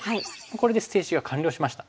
これで捨て石が完了しました。